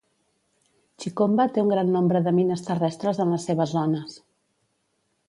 Chikomba té un gran nombre de mines terrestres en les seves zones.